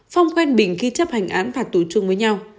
phong quanh bình khi chấp hành án phạt tù chung với nhau